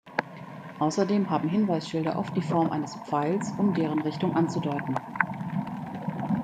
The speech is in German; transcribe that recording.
Außerdem haben Hinweisschilder oft die Form eines Pfeils, um deren Richtung anzudeuten.